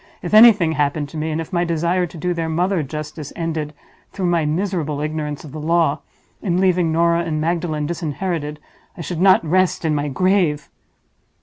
If anything happened to me, and if my desire to do their mother justice ended (through my miserable ignorance of the law) in leaving Norah and Magdalen disinherited, I should not rest in my grave!"